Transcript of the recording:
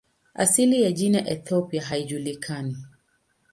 Asili ya jina "Ethiopia" haijulikani.